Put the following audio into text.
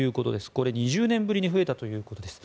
これ、２０年ぶりに増えたということです。